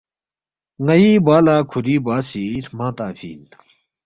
ن٘ئی بوا لہ کھُوری بوا سی ہرمنگ تنگفی اِن